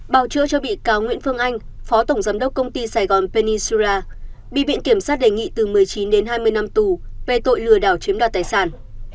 bào chữa cho bị cáo nguyễn phương anh phó tổng giám đốc công ty sài gòn penny sra bị viện kiểm sát đề nghị từ một mươi chín đến hai mươi năm tù về tội lừa đảo chiếm đoạt tài sản